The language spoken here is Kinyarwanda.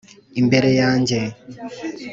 imbere yanjye,